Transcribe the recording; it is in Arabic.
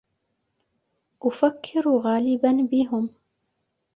أفكر غالبا بهم.